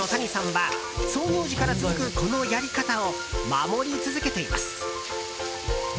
３代目の谷さんは創業時から続くこのやり方を守り続けています。